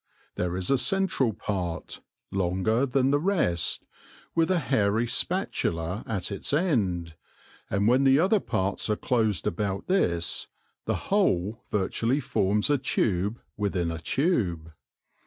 There is a central part, longer than the rest, with a hairy spatula at its end, and when the other parts are closed about this, the whole virtually forms a tube within a tube.